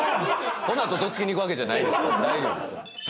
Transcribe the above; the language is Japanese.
このあとどつきに行くわけじゃないですから大丈夫ですよ